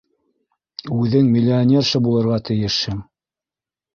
Үҙең миллионерша булырға тейешһең!..